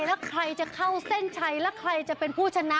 แล้วใครจะเข้าเส้นชัยแล้วใครจะเป็นผู้ชนะ